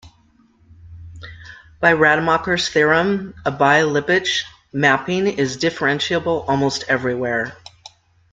By Rademacher's theorem a bi-Lipschitz mapping is differentiable almost everywhere.